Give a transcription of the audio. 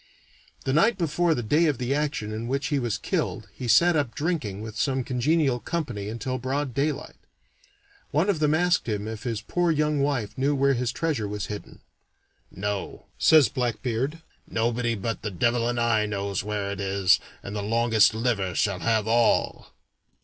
The night before the day of the action in which he was killed he sat up drinking with some congenial company until broad daylight. One of them asked him if his poor young wife knew where his treasure was hidden. "No," says Blackbeard; "nobody but the devil and I knows where it is, and the longest liver shall have all."